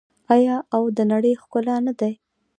آیا او د نړۍ ښکلا نه دي؟